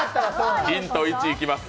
ヒント１いきます。